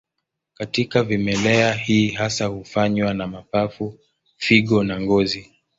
Katika vimelea hii hasa hufanywa na mapafu, figo na ngozi.